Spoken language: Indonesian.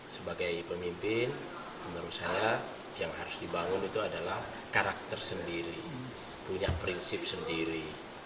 sebagai pemimpin menurut saya yang harus dibangun itu adalah karakter sendiri punya prinsip sendiri